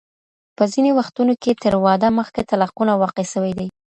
په ځيني وختونو کي تر واده مخکي طلاقونه واقع سوي دي.